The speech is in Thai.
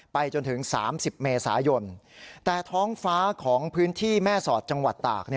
จนถึง๓๐เมษายนแต่ท้องฟ้าของพื้นที่แม่สอดจังหวัดตาก